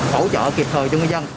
hỗ trợ kịp thời